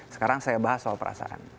sekarang saya bahas soal perasaan